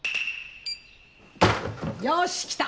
よしきた。